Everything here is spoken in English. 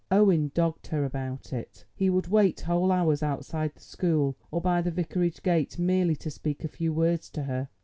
Owen dogged her about; he would wait whole hours outside the school or by the Vicarage gate merely to speak a few words to her.